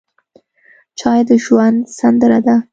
چای د ژوند سندره ده.